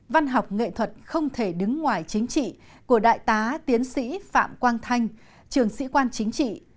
văn học nghệ thuật không thể đứng ngoài chính trị của đại tá tiến sĩ phạm quang thanh trường sĩ quan chính trị